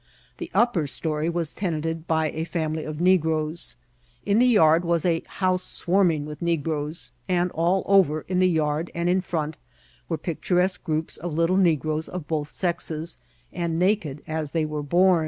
The upper story was tenanted by a family of negroes ; in the yard was a house swarming with negroes ; and all over, in the yard and in firont, were picturesque groups of little negroes of both sexes, and naked as they were bom.